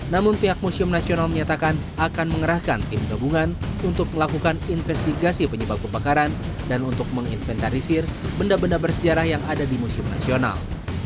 namun pihak museum nasional menyatakan akan mengerahkan tim gabungan untuk melakukan investigasi penyebab kebakaran dan untuk menginventarisir benda benda bersejarah yang ada di museum nasional